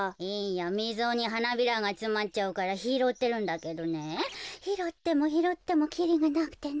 みぞにはなびらがつまっちゃうからひろってるんだけどねひろってもひろってもきりがなくてね。